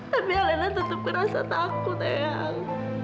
tapi alina tetep ngerasa takut eang